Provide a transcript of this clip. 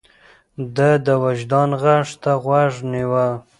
ده د وجدان غږ ته غوږ نيوه.